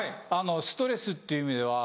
ストレスっていう意味では。